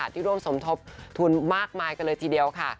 ที่ร่วมสมทบทุนมากมายกันเลยทีเดียวค่ะ